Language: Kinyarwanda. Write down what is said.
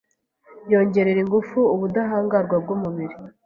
yongerera ingufu ubudahangarwa bw’umubiri